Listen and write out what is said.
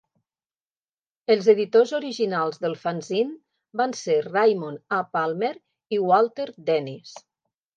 Els editors originals del fanzín van ser Raymond A. Palmer i Walter Dennis.